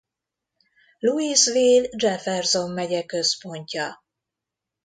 Louisville Jefferson megye központja.